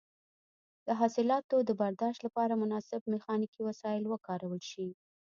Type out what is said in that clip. د حاصلاتو د برداشت لپاره مناسب میخانیکي وسایل وکارول شي.